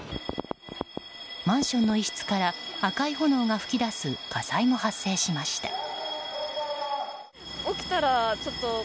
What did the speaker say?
マンションの一室から赤い炎が噴き出す火災の発生しました。